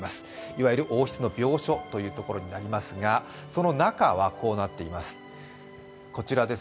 いわゆる王室の廟所ということになりますが、その中はこうなっています。